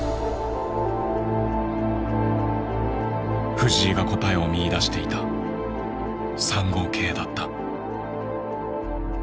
藤井が答えを見いだしていた３五桂だった。